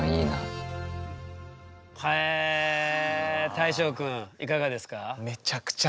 大昇君いかがですか？